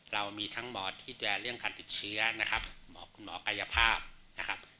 เรามีทั้งหมอที่ดูแลเรื่องการติดเชื้อนะครับหมอคุณหมอกายภาพนะครับ